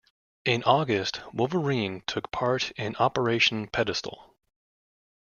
In August "Wolverine" took part in Operation Pedestal.